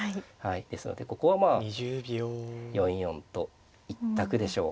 ですのでここはまあ４四と一択でしょう。